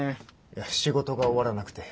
いや仕事が終わらなくて。